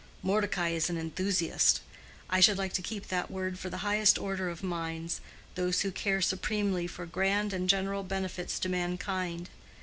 Mordecai is an enthusiast; I should like to keep that word for the highest order of minds—those who care supremely for grand and general benefits to mankind.